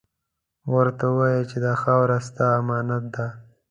ورته ووایه چې دا خاوره ، ستا امانت ده.